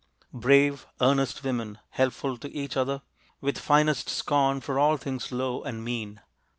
Brave, earnest women, helpful to each other, With finest scorn for all things low and mean.